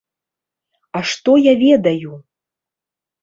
А што я ведаю?